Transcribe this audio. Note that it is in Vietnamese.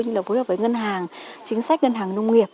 như là phối hợp với ngân hàng chính sách ngân hàng nông nghiệp